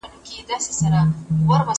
ماشوم ته د حرامو خبرو تاوان څه دی؟